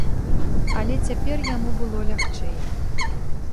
Але цяпер яму было лягчэй.